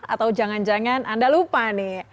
atau jangan jangan anda lupa nih